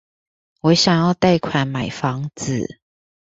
我想要貸款買房子